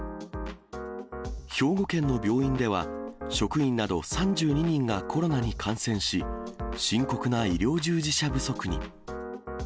兵庫県の病院では、職員など３２人がコロナに感染し、深刻な医療従事者不足に。